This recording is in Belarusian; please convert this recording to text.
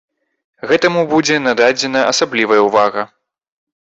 Гэтаму будзе нададзена асаблівая ўвага.